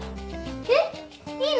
えっいいの？